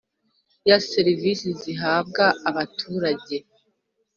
Ya serivisi zihabwa abaturage